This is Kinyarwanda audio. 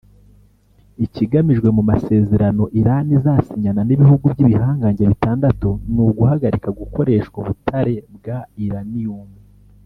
Ikigamijwe mu masezerano Iran izasinyana n’ibihugu by’ibihangange bitandatu ni uguhagarika gukoreshwa ubutare bwa Iranium